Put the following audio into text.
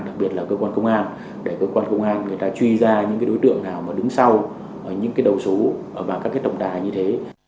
đặc biệt là cơ quan công an để cơ quan công an người ta truy ra những đối tượng nào mà đứng sau những cái đầu số vào các cái tổng đài như thế